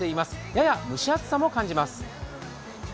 やや蒸し暑さも感じます。